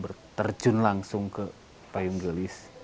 berterjun langsung ke payung gelis